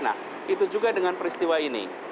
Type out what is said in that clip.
nah itu juga dengan peristiwa ini